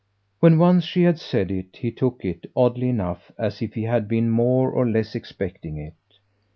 When once she had said it he took it, oddly enough, as if he had been more or less expecting it.